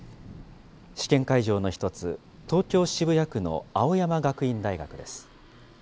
試験会場の一つ、東京・渋谷区の青山学院大学です。